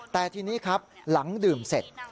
แต่ทีนี้ครับหลังดื่มเสร็จ